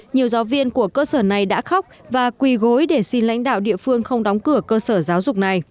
nhiều giáo viên của cơ sở này đã khóc và quỳ gối để xin lãnh đạo địa phương không đóng cửa cơ sở giáo dục này